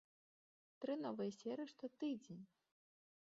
Тры новыя серыі штотыдзень!